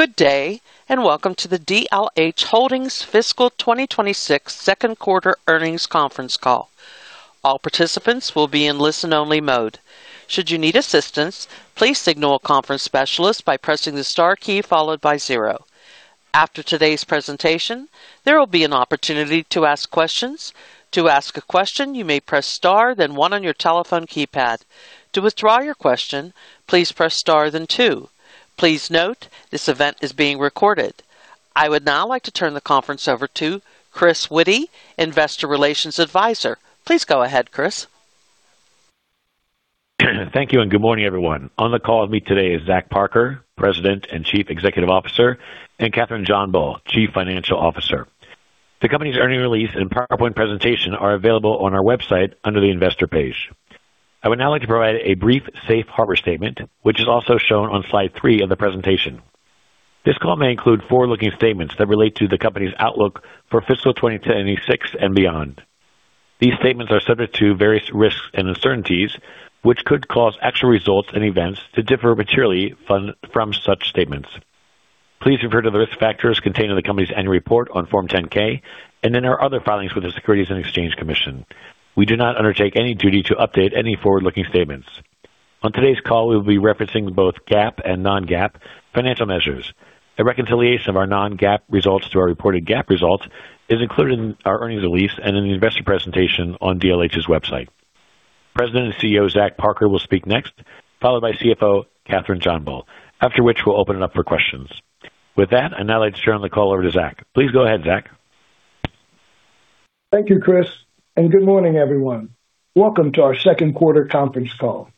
Good day, and welcome to the DLH Holdings Fiscal 2026 second quarter earnings conference call. All participants will be in listen-only mode. Should you need assistance, please signal a conference specialist by pressing the star key followed by zero. After today's presentation, there will be an opportunity to ask questions. To ask a question, you may press star, then one on your telephone keypad. To withdraw your question, please press star then two. Please note, this event is being recorded. I would now like to turn the conference over to Chris Witty, investor relations advisor. Please go ahead, Chris. Thank you. Good morning, everyone. On the call with me today is Zach Parker, President and Chief Executive Officer, and Kathryn JohnBull, Chief Financial Officer. The company's earnings release and PowerPoint presentation are available on our website under the investor page. I would now like to provide a brief safe harbor statement, which is also shown on slide three of the presentation. This call may include forward-looking statements that relate to the company's outlook for fiscal 2026 and beyond. These statements are subject to various risks and uncertainties, which could cause actual results and events to differ materially from such statements. Please refer to the risk factors contained in the company's annual report on Form 10-K and in our other filings with the Securities and Exchange Commission. We do not undertake any duty to update any forward-looking statements. On today's call, we will be referencing both GAAP and non-GAAP financial measures. A reconciliation of our non-GAAP results to our reported GAAP results is included in our earnings release and in the investor presentation on DLH's website. President and CEO Zach Parker will speak next, followed by CFO Kathryn JohnBull, after which we'll open it up for questions. With that, I'd now like to turn the call over to Zach. Please go ahead, Zach. Thank you, Chris, and good morning, everyone. Welcome to our second quarter conference call.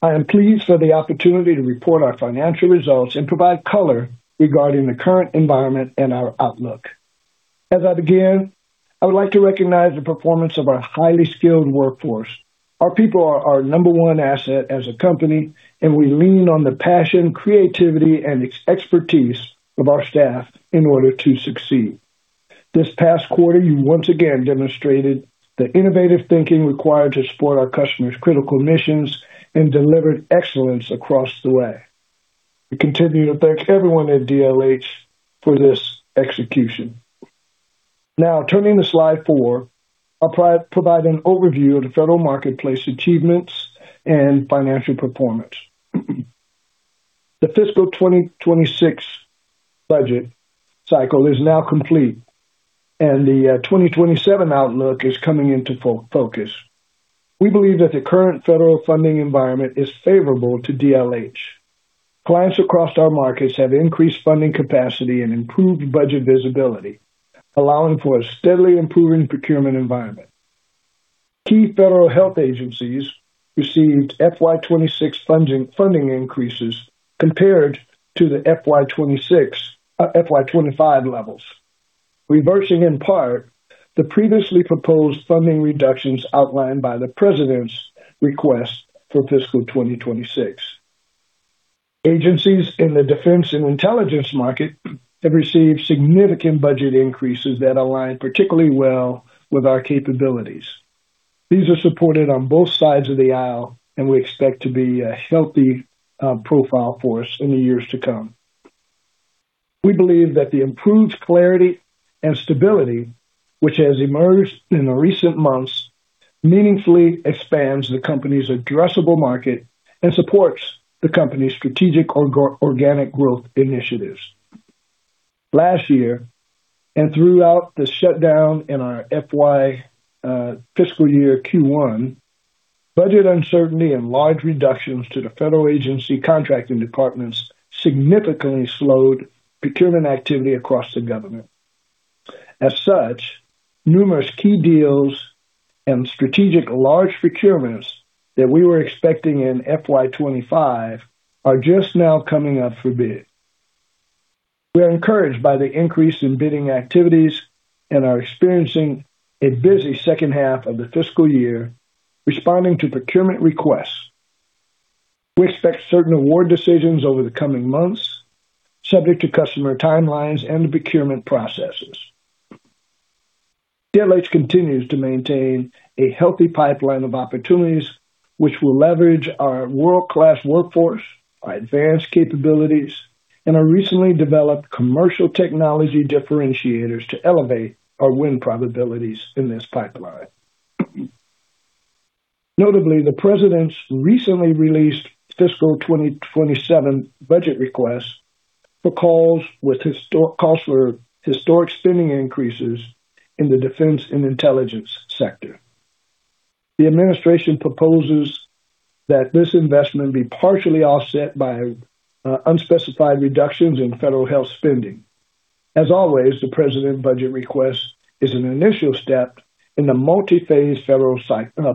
I am pleased for the opportunity to report our financial results and provide color regarding the current environment and our outlook. As I begin, I would like to recognize the performance of our highly skilled workforce. Our people are our number one asset as a company, and we lean on the passion, creativity, and expertise of our staff in order to succeed. This past quarter, you once again demonstrated the innovative thinking required to support our customers' critical missions and delivered excellence across the way. We continue to thank everyone at DLH for this execution. Now, turning to slide four, I'll provide an overview of the federal marketplace achievements and financial performance. The fiscal 2026 budget cycle is now complete, and the 2027 outlook is coming into focus. We believe that the current federal funding environment is favorable to DLH. Clients across our markets have increased funding capacity and improved budget visibility, allowing for a steadily improving procurement environment. Key federal health agencies received FY 2026 funding increases compared to the FY 2025 levels, reversing in part the previously proposed funding reductions outlined by the president's request for fiscal 2026. Agencies in the defense and intelligence market have received significant budget increases that align particularly well with our capabilities. These are supported on both sides of the aisle, and we expect to be a healthy profile for us in the years to come. We believe that the improved clarity and stability, which has emerged in the recent months, meaningfully expands the company's addressable market and supports the company's strategic organic growth initiatives. Last year, and throughout the shutdown in our FY fiscal year Q1, budget uncertainty and large reductions to the federal agency contracting departments significantly slowed procurement activity across the government. Such, numerous key deals and strategic large procurements that we were expecting in FY 2025 are just now coming up for bid. We are encouraged by the increase in bidding activities and are experiencing a busy second half of the fiscal year responding to procurement requests. We expect certain award decisions over the coming months, subject to customer timelines and the procurement processes. DLH continues to maintain a healthy pipeline of opportunities which will leverage our world-class workforce, our advanced capabilities, and our recently developed commercial technology differentiators to elevate our win probabilities in this pipeline. Notably, the President's recently released fiscal 2027 budget request calls for historic spending increases in the defense and intelligence sector. The administration proposes that this investment be partially offset by unspecified reductions in federal health spending. As always, the President's budget request is an initial step in the multi-phase federal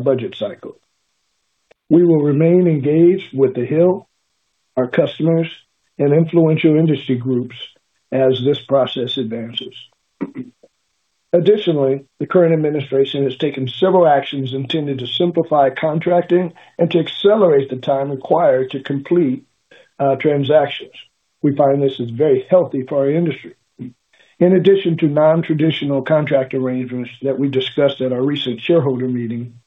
budget cycle. We will remain engaged with the Hill, our customers, and influential industry groups as this process advances. Additionally, the current administration has taken several actions intended to simplify contracting and to accelerate the time required to complete transactions. We find this is very healthy for our industry. In addition to non-traditional contract arrangements that we discussed at our recent shareholder meeting.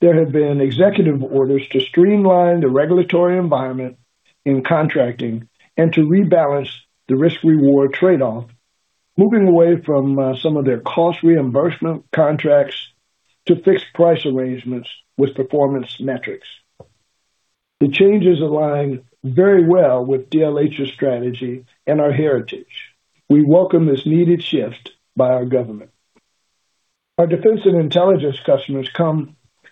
There have been executive orders to streamline the regulatory environment in contracting and to rebalance the risk-reward trade-off, moving away from some of their cost reimbursement contracts to fixed price arrangements with performance metrics. The changes align very well with DLH's strategy and our heritage. We welcome this needed shift by our government. Our defense and intelligence customers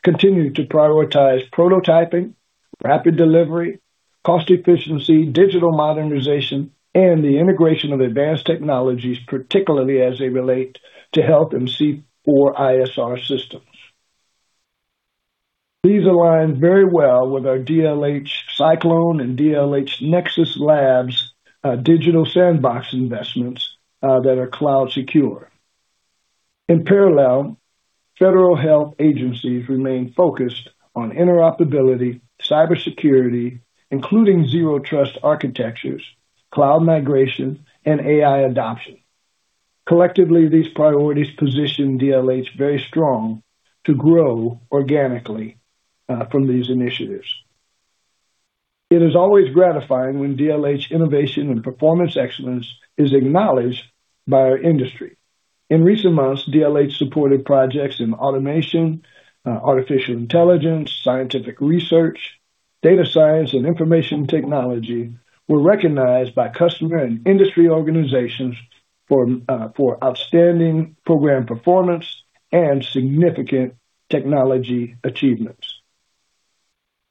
continue to prioritize prototyping, rapid delivery, cost efficiency, digital modernization, and the integration of advanced technologies, particularly as they relate to health and C4ISR systems. These align very well with our DLH Cyclone and DLH Nexus Labs, digital sandbox investments that are cloud secure. In parallel, federal health agencies remain focused on interoperability, cybersecurity, including zero trust architectures, cloud migration, and AI adoption. Collectively, these priorities position DLH very strong to grow organically from these initiatives. It is always gratifying when DLH innovation and performance excellence is acknowledged by our industry. In recent months, DLH supported projects in automation, artificial intelligence, scientific research, data science, and information technology were recognized by customer and industry organizations for outstanding program performance and significant technology achievements.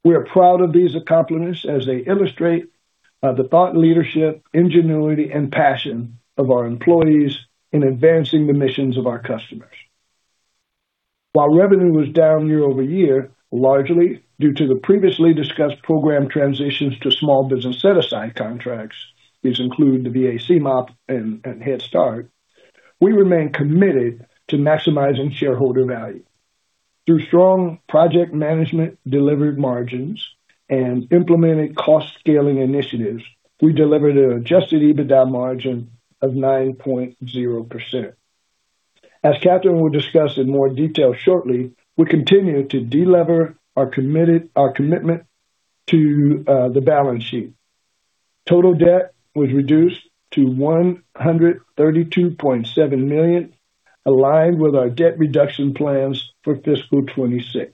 We are proud of these accomplishments as they illustrate the thought leadership, ingenuity, and passion of our employees in advancing the missions of our customers. While revenue was down year-over-year, largely due to the previously discussed program transitions to small business set-aside contracts, these include the VA CMOP and Head Start, we remain committed to maximizing shareholder value. Through strong project management delivered margins and implemented cost-scaling initiatives, we delivered an adjusted EBITDA margin of 9.0%. As Kathryn will discuss in more detail shortly, we continue to de-lever our commitment to the balance sheet. Total debt was reduced to $132.7 million, aligned with our debt reduction plans for FY 2026.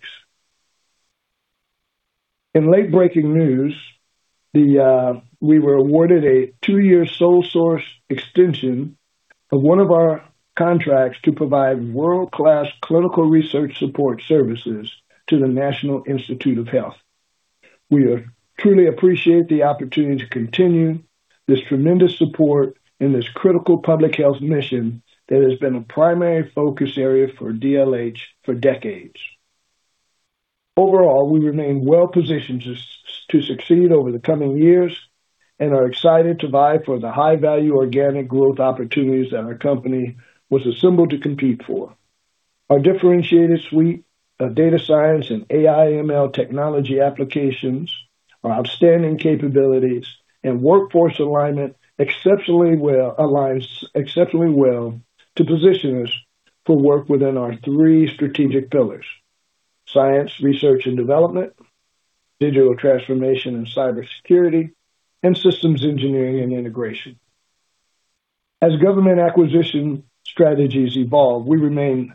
In late-breaking news, we were awarded a two-year sole source extension of one of our contracts to provide world-class clinical research support services to the National Institutes of Health. We truly appreciate the opportunity to continue this tremendous support in this critical public health mission that has been a primary focus area for DLH for decades. Overall, we remain well-positioned to succeed over the coming years and are excited to vie for the high-value organic growth opportunities that our company was assembled to compete for. Our differentiated suite of data science and AI/ML technology applications, our outstanding capabilities, and workforce aligns exceptionally well to position us for work within our three strategic pillars: science, research, and development, digital transformation and cybersecurity, and systems engineering and integration. As government acquisition strategies evolve, we remain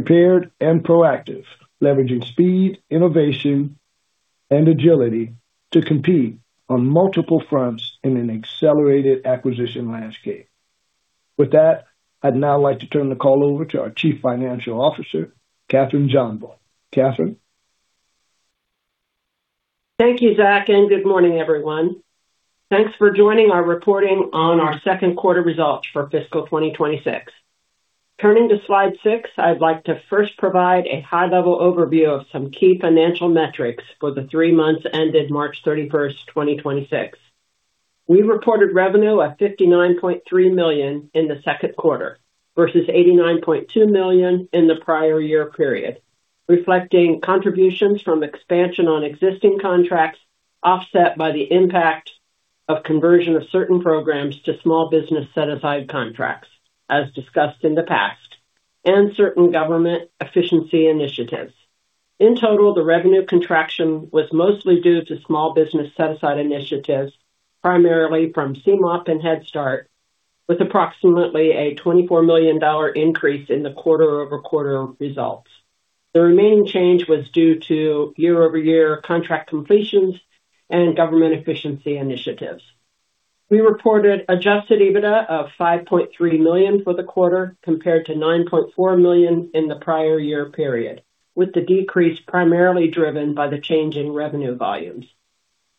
prepared and proactive, leveraging speed, innovation, and agility to compete on multiple fronts in an accelerated acquisition landscape. With that, I'd now like to turn the call over to our Chief Financial Officer, Kathryn JohnBull. Kathryn? Thank you, Zach, and good morning, everyone. Thanks for joining our reporting on our second quarter results for fiscal 2026. Turning to slide six, I'd like to first provide a high-level overview of some key financial metrics for the three months ended March 31, 2026. We reported revenue of $59.3 million in the second quarter versus $89.2 million in the prior year period, reflecting contributions from expansion on existing contracts offset by the impact of conversion of certain programs to small business set-aside contracts, as discussed in the past, and certain government efficiency initiatives. In total, the revenue contraction was mostly due to small business set-aside initiatives, primarily from CMOP and Head Start, with approximately a $24 million increase in the quarter-over-quarter results. The remaining change was due to year-over-year contract completions and government efficiency initiatives. We reported adjusted EBITDA of $5.3 million for the quarter, compared to $9.4 million in the prior year period, with the decrease primarily driven by the change in revenue volumes.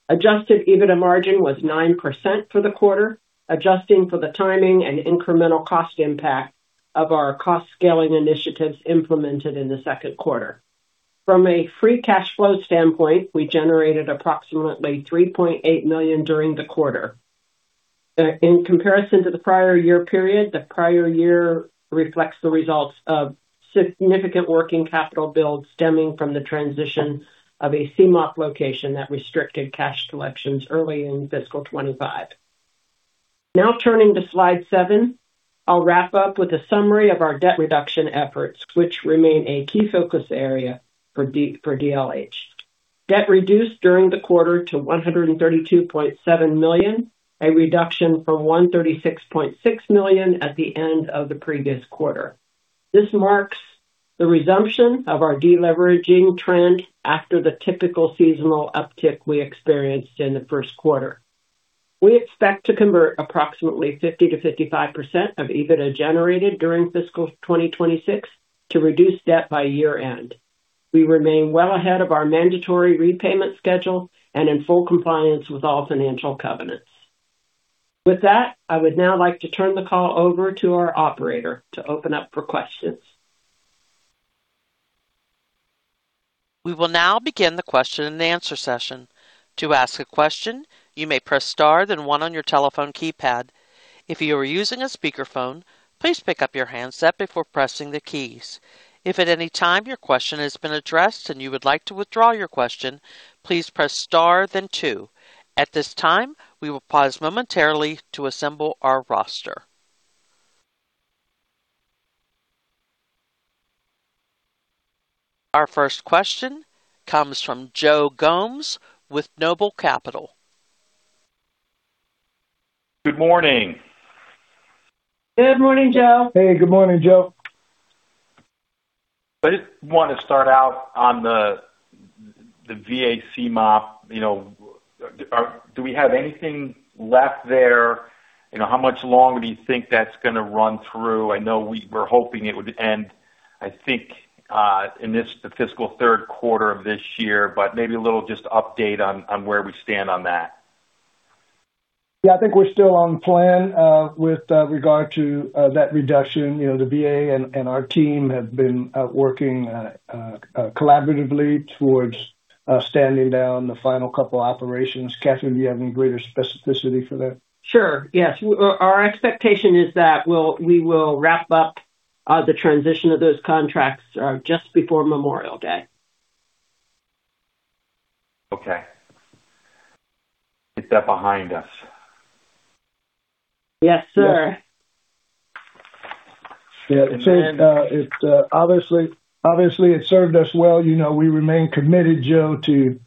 Adjusted EBITDA margin was 9% for the quarter, adjusting for the timing and incremental cost impact of our cost-scaling initiatives implemented in the second quarter. From a free cash flow standpoint, we generated approximately $3.8 million during the quarter. In comparison to the prior year period, the prior year reflects the results of significant working capital build stemming from the transition of a CMOP location that restricted cash collections early in fiscal 2025. Now turning to slide seven. I'll wrap up with a summary of our debt reduction efforts, which remain a key focus area for DLH. Debt reduced during the quarter to $132.7 million, a reduction from $136.6 million at the end of the previous quarter. This marks the resumption of our deleveraging trend after the typical seasonal uptick we experienced in the first quarter. We expect to convert approximately 50%-55% of EBITDA generated during FY 2026 to reduce debt by year-end. We remain well ahead of our mandatory repayment schedule and in full compliance with all financial covenants. With that, I would now like to turn the call over to our operator to open up for questions. We will now begin the question-and-answer session. To ask a question you may press star then one on your telephone keypad. If you're using a speaker phone, please pick up your handset before pressing the keys. If at any time your question has been addressed and you would like to withdraw your question please press star then two. At this time, we will pause momentarily to assemble our roster Our first question comes from Joe Gomes with Noble Capital. Good morning. Good morning, Joe. Hey, good morning, Joe. I just want to start out on the VA CMOP. You know, do we have anything left there? You know, how much longer do you think that's gonna run through? I know we were hoping it would end, I think, in this, the fiscal third quarter of this year, but maybe a little just update on where we stand on that. Yeah, I think we're still on plan, with regard to that reduction. You know, the VA and our team have been working collaboratively towards standing down the final couple operations. Kathryn, do you have any greater specificity for that? Sure, yes. Our expectation is that we will wrap up the transition of those contracts just before Memorial Day. Okay. Get that behind us. Yes, sir. Yeah. It's obviously it served us well. You know, we remain committed, Joe, to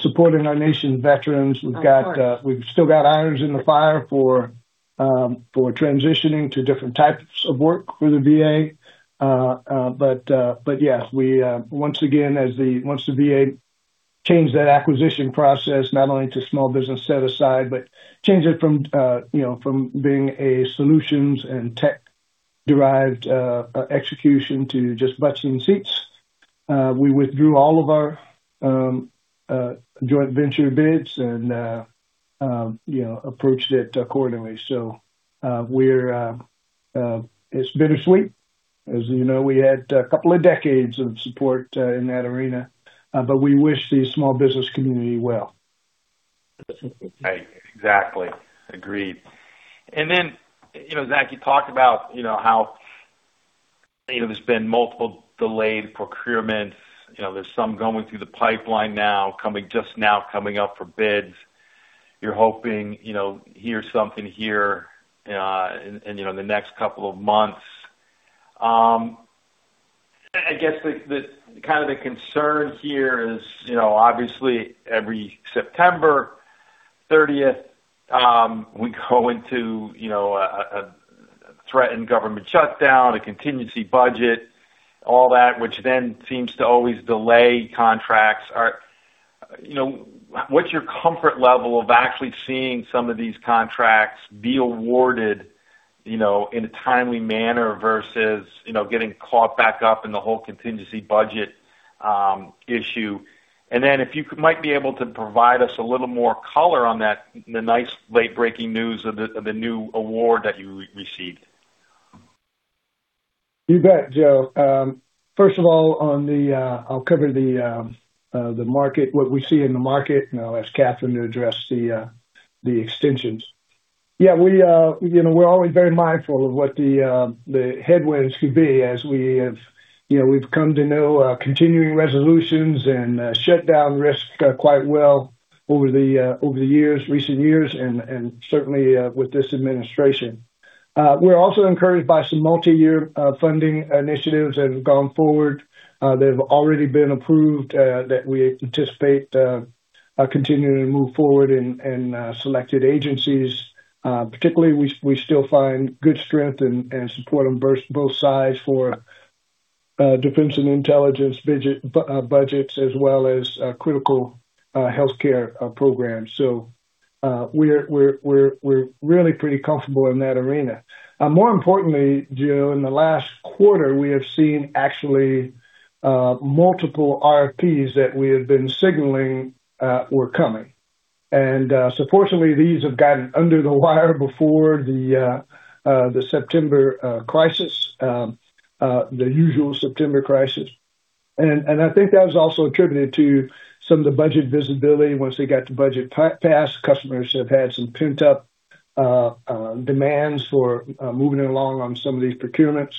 supporting our nation's veterans. We've got, we've still got irons in the fire for transitioning to different types of work for the VA. Once again, once the VA changed that acquisition process, not only to small business set-aside, but changed it from, you know, from being a solutions and tech-derived execution to just butts in seats. We withdrew all of our joint venture bids and, you know, approached it accordingly. It's bittersweet. As you know, we had a couple of decades of support in that arena, but we wish the small business community well. Right. Exactly. Agreed. You know, Zach, you talked about, you know, how, you know, there's been multiple delayed procurements. You know, there's some going through the pipeline now, coming up for bids. You're hoping, you know, hear something here, and you know, in the next couple of months. I guess the kind of the concern here is, you know, obviously every September 30th, we go into, you know, a threatened government shutdown, a contingency budget, all that, which then seems to always delay contracts. You know, what's your comfort level of actually seeing some of these contracts be awarded, you know, in a timely manner versus, you know, getting caught back up in the whole contingency budget issue? If you might be able to provide us a little more color on that, the nice late-breaking news of the new award that you re-received. You bet, Joe. First of all, on the, I'll cover the market, what we see in the market, and I'll ask Kathryn to address the extensions. Yeah, we, you know, we're always very mindful of what the headwinds could be as we have, you know, we've come to know continuing resolutions and shutdown risk quite well over the years, recent years and certainly with this administration. We're also encouraged by some multi-year funding initiatives that have gone forward that have already been approved that we anticipate continuing to move forward in selected agencies. Particularly, we still find good strength and support on both sides for defense and intelligence budgets as well as critical healthcare programs. We're really pretty comfortable in that arena. More importantly, Joe, in the last quarter, we have seen actually multiple RFPs that we have been signaling were coming. Fortunately, these have gotten under the wire before the September crisis, the usual September crisis. I think that was also attributed to some of the budget visibility. Once they got the budget passed, customers have had some pent-up demands for moving along on some of these procurements.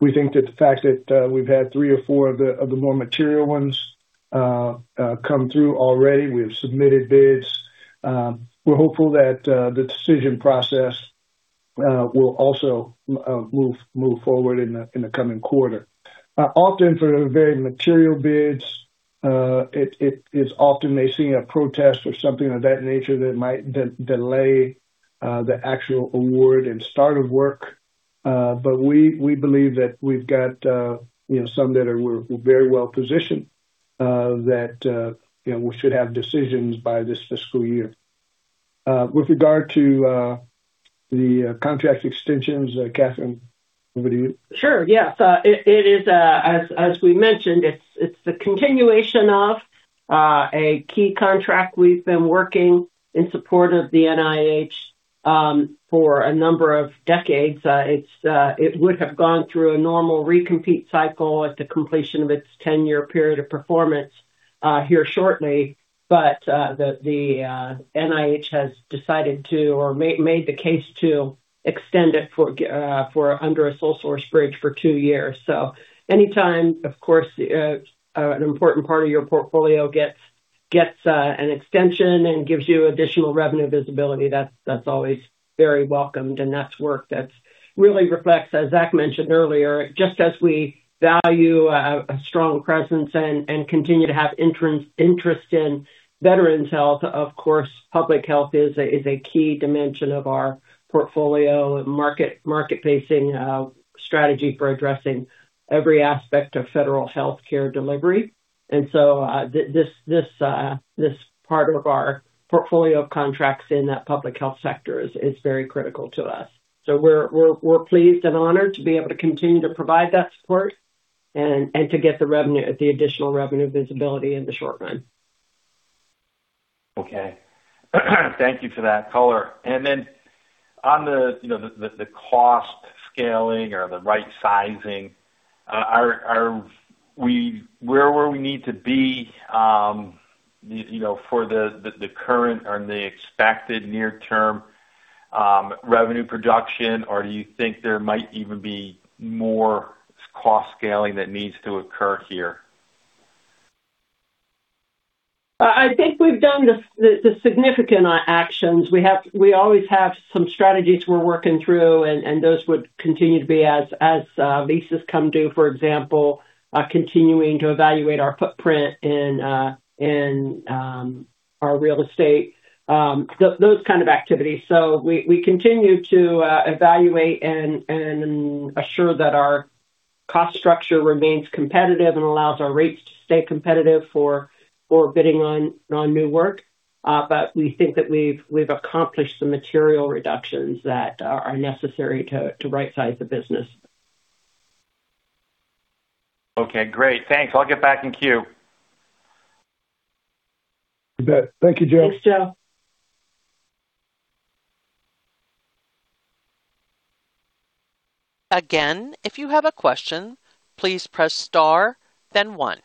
We think that the fact that we've had three or four of the more material ones come through already. We have submitted bids. We're hopeful that the decision process will also move forward in the coming quarter. Often for very material bids, it's often they see a protest or something of that nature that might delay the actual award and start of work. We believe that we've got, you know, some that we're very well positioned, that, you know, we should have decisions by this fiscal year. With regard to the contract extensions, Kathryn, over to you. Sure, yeah. It is as we mentioned, it's the continuation of a key contract we've been working in support of the NIH for a number of decades. It would have gone through a normal recompete cycle at the completion of its 10-year period of performance here shortly. The NIH has decided to or made the case to extend it for under a sole source bridge for two years. Anytime, of course, an important part of your portfolio gets an extension and gives you additional revenue visibility, that's always very welcomed. That's work that's really reflects, as Zach mentioned earlier, just as we value a strong presence and continue to have interest in veterans health, of course, public health is a key dimension of our portfolio and market-facing strategy for addressing every aspect of federal healthcare delivery. This part of our portfolio of contracts in that public health sector is very critical to us. We're pleased and honored to be able to continue to provide that support and to get the revenue, the additional revenue visibility in the short run. Okay. Thank you for that color. On the, you know, the cost scaling or the right sizing, are we where we need to be, you know, for the current or the expected near-term revenue production? Do you think there might even be more cost scaling that needs to occur here? I think we've done the significant actions. We always have some strategies we're working through, and those would continue to be as leases come due, for example, continuing to evaluate our footprint in our real estate, those kind of activities. We continue to evaluate and assure that our cost structure remains competitive and allows our rates to stay competitive for bidding on new work. We think that we've accomplished the material reductions that are necessary to right-size the business. Okay, great. Thanks. I'll get back in queue. You bet. Thank you, Joe. Thanks, Joe. If you have a question, please press star then one.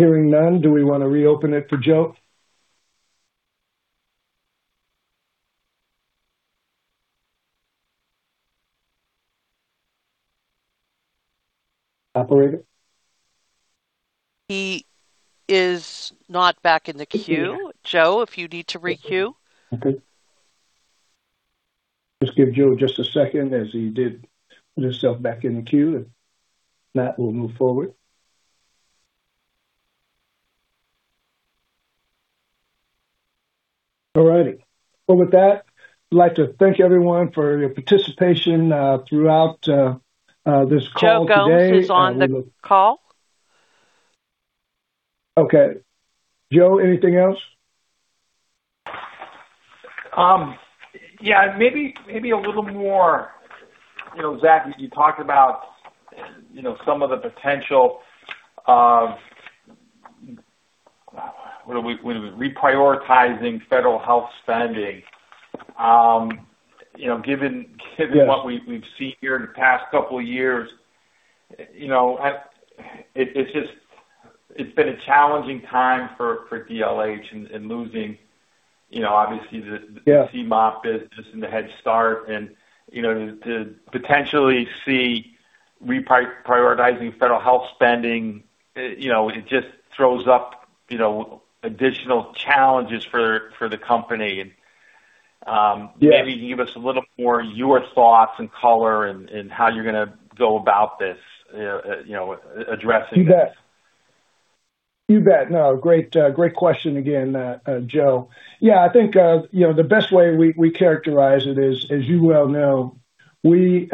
Hearing none, do we wanna reopen it for Joe? Operator? He is not back in the queue. Joe, if you need to re-queue. Okay. Just give Joe just a second as he did put himself back in the queue, and if not, we'll move forward. All righty. Well, with that, I'd like to thank everyone for your participation throughout this call today. Joe Gomes is on the call. Okay. Joe, anything else? Yeah, maybe a little more. You know, Zach, as you talked about, you know, some of the potential of when we're reprioritizing federal health spending, you know. Yes. what we've seen here in the past couple of years, you know, it's been a challenging time for DLH in losing, you know, obviously the. Yeah. CMOP business and the Head Start and, you know, to potentially see prioritizing federal health spending, you know, it just throws up, you know, additional challenges for the company. Yeah. Maybe you can give us a little more your thoughts and color and how you're gonna go about this, you know, addressing this. You bet. You bet. No, great question again, Joe. Yeah, I think, you know, the best way we characterize it is, as you well know, we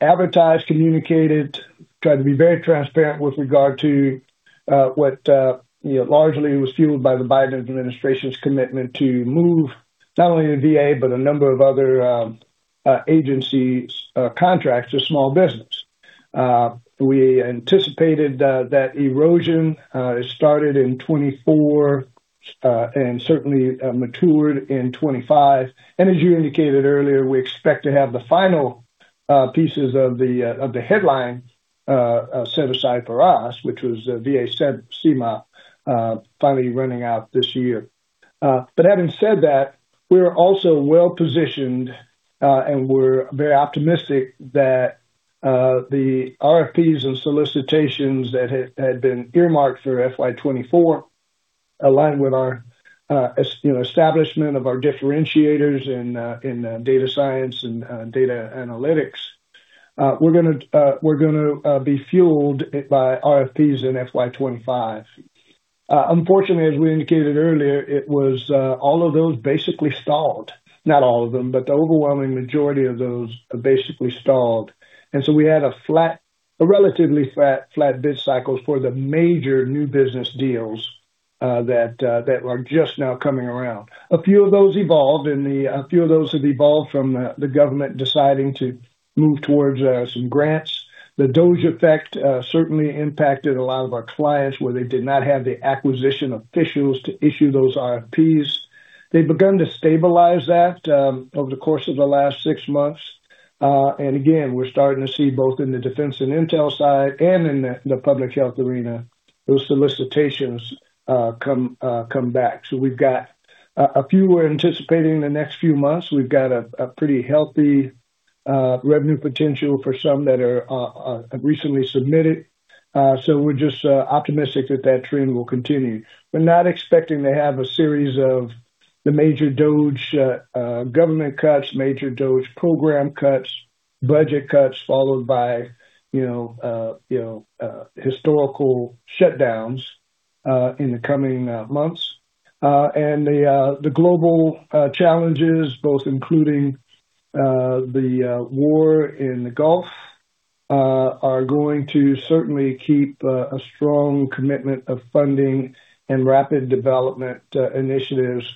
advertise, communicate it, try to be very transparent with regard to what, you know, largely was fueled by the Biden administration's commitment to move not only the VA, but a number of other agencies' contracts to small business. We anticipated that erosion. It started in 2024 and certainly matured in 2025. As you indicated earlier, we expect to have the final pieces of the headline set aside for us, which was VA CMOP, finally running out this year. But having said that, we're also well-positioned, and we're very optimistic that the RFPs and solicitations that had been earmarked for FY 2024 align with our, you know, establishment of our differentiators in data science and data analytics. We're gonna be fueled by RFPs in FY 2025. Unfortunately, as we indicated earlier, it was all of those basically stalled. Not all of them, but the overwhelming majority of those are basically stalled. So we had a relatively flat bid cycles for the major new business deals that are just now coming around. A few of those have evolved from the government deciding to move towards some grants. The DOGE effect, certainly impacted a lot of our clients where they did not have the acquisition officials to issue those RFPs. They've begun to stabilize that over the course of the last six months. And again, we're starting to see both in the defense and intel side and in the public health arena, those solicitations come back. We've got a few we're anticipating in the next few months. We've got a pretty healthy revenue potential for some that have recently submitted. So we're just optimistic that that trend will continue. We're not expecting to have a series of the major DOGE government cuts, major DOGE program cuts, budget cuts, followed by, you know, historical shutdowns in the coming months. The global challenges, both including the war in the Gulf, are going to certainly keep a strong commitment of funding and rapid development initiatives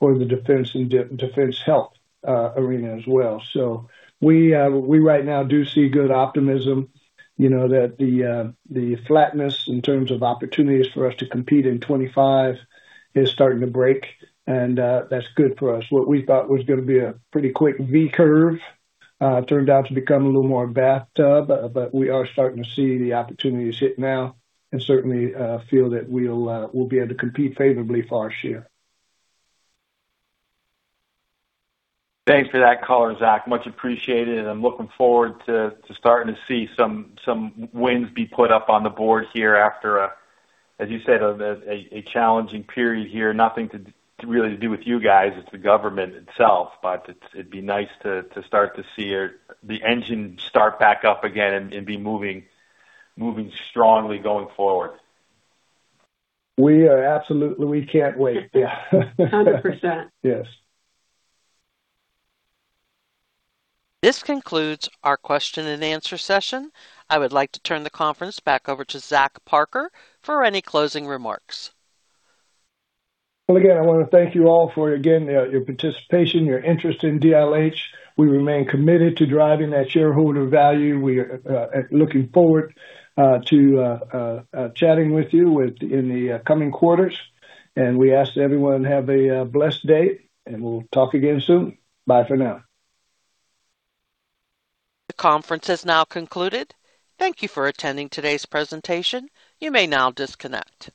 for the defense and defense health arena as well. We right now do see good optimism, you know, that the flatness in terms of opportunities for us to compete in 2025 is starting to break, and that's good for us. What we thought was going to be a pretty quick V curve turned out to become a little more bathtub. We are starting to see the opportunities hit now and certainly feel that we'll be able to compete favorably for our share. Thanks for that color, Zach. Much appreciated, and I'm looking forward to starting to see some wins be put up on the board here after a as you said, a challenging period here. Nothing really to do with you guys, it's the government itself. But it'd be nice to start to see your the engine start back up again and be moving strongly going forward. We can't wait. Yeah. 100%. Yes. This concludes our question-and-answer session. I would like to turn the conference back over to Zach Parker for any closing remarks. Well, again, I want to thank you all for, again, your participation, your interest in DLH. We remain committed to driving that shareholder value. We are looking forward to chatting with you with in the coming quarters. We ask everyone have a blessed day, and we'll talk again soon. Bye for now. The conference has now concluded. Thank you for attending today's presentation. You may now disconnect.